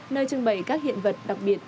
nơi trưng bày các hiện vật đặc biệt